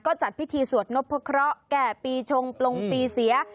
ก็จัดพิธีสวดนพะเคราะห์แก่ปีชงปลงปีเสีย